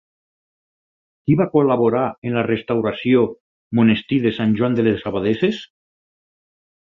Qui va col·laborar en la restauració monestir de Sant Joan de les Abadesses?